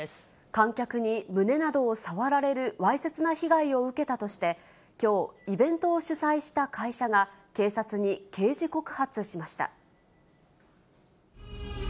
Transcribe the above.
観客に胸などを触られるわいせつな被害を受けたとして、きょう、イベントを主催した会社が、警察に刑事告発しました。